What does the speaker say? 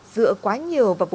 dựa quá nhiều vào vấn đề